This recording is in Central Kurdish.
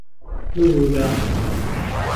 ببوورە...